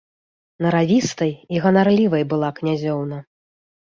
Наравістай і ганарлівай была князёўна.